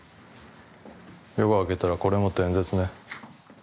夜が明けたらこれ持って演説ね。